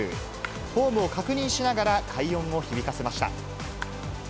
フォームを確認しながら快音を響かせました。